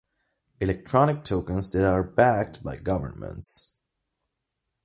Electronic tokens that are backed by governments.